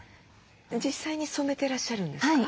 実際に染めてらっしゃるんですか？